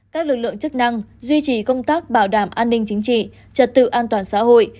các lực lượng chức năng duy trì công tác bảo đảm an ninh chính trị trật tự an toàn xã hội